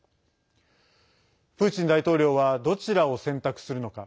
プーチン大統領はどちらを選択するのか。